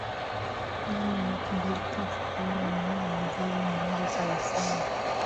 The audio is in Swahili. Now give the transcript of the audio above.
emu nyeti mbili tatu kuwa na waziri mmoja sawa sawa